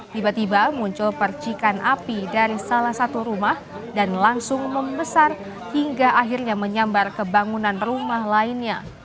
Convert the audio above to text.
tiba tiba muncul percikan api dari salah satu rumah dan langsung membesar hingga akhirnya menyambar ke bangunan rumah lainnya